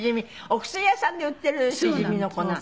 お薬屋さんで売っているシジミの粉？